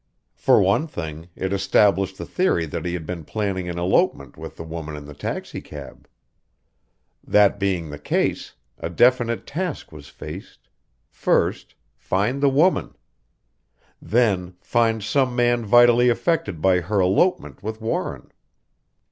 For one thing, it established the theory that he had been planning an elopement with the woman in the taxicab. That being the case, a definite task was faced first, find the woman; then find some man vitally affected by her elopement with Warren.